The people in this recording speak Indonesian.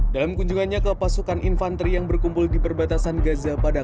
dalam kunjungannya ke pasukan infanteri yang berkumpul di perbatasan gaza pada